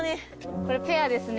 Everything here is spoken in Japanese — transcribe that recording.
これペアですねでも。